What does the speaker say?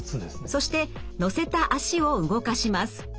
そして乗せた脚を動かします。